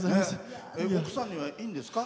奥さんにはいいんですか？